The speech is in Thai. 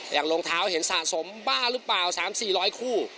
รองเท้าเห็นสะสมบ้าหรือเปล่า๓๔๐๐คู่